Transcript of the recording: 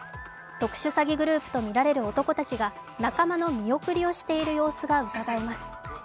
特殊詐欺グループとみられる男たちが仲間の見送りをしている様子がうかがえます。